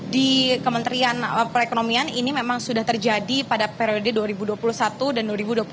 di kementerian perekonomian ini memang sudah terjadi pada periode dua ribu dua puluh satu dan dua ribu dua puluh